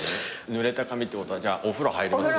ぬれた髪ってことはじゃあお風呂入ります。